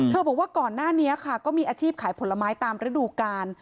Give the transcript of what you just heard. บอกว่าก่อนหน้านี้ค่ะก็มีอาชีพขายผลไม้ตามฤดูกาล